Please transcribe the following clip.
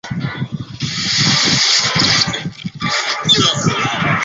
塞尔热是瑞士联邦西部法语区的沃州下设的一个镇。